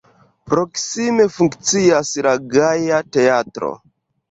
Proksime funkcias la Gaja Teatro.